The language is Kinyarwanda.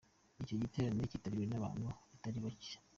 Icyo giterane kitabiriwe n'abantu batari bake.